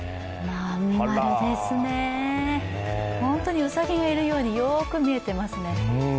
まん丸ですね、本当にうさぎがいるようによく見えています。